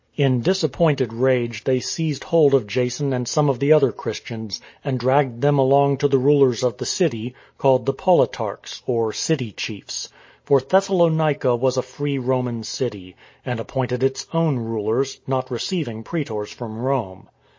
In disappointed rage they seized hold of Jason and some of the other Christians, and dragged them along to the rulers of the city, called the politarchs — or " city chiefs." For Thessalonica was a free Roman city, and appointed its own rulers, not receiving praetors from Rome.